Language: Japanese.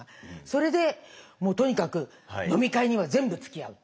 それでとにかく飲み会には全部つきあう。